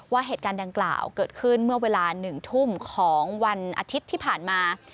ว่าเหตุการณ์ดังกล่าวเกิดขึ้นเมื่อเวลา๑ทุ่มของวันอาทิตย์ที่ผ่านมา